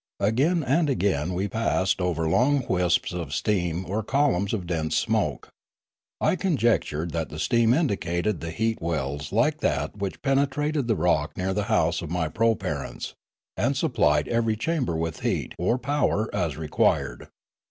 Again and again we passed over long wisps of steam or columns of dense smoke. I conjectured that the steam indicated the heat wells like that which penetrated the rock near the house of my proparents, and supplied every chamber with heat or power as required.